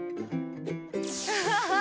ハハハハ！